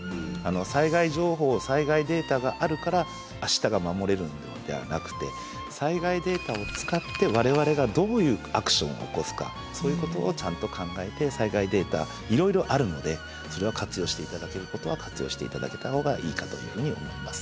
災害情報・災害データがあるから明日が守れるのではなくて災害データを使って我々がどういうアクションを起こすかそういうことをちゃんと考えて災害データいろいろあるのでそれは活用して頂けることは活用して頂けた方がいいかというふうに思います。